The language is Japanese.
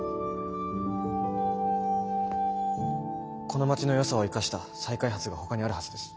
この街のよさを生かした再開発がほかにあるはずです。